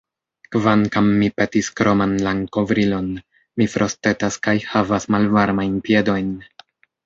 Kvankam mi petis kroman lankovrilon, mi frostetas kaj havas malvarmajn piedojn.